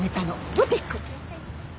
ブティック？